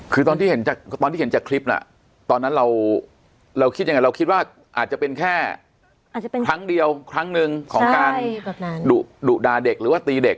คือตอนที่เห็นจากคลิปน่ะตอนนั้นเราคิดยังไงเราคิดว่าอาจจะเป็นแค่อาจจะเป็นครั้งเดียวครั้งหนึ่งของการดุด่าเด็กหรือว่าตีเด็ก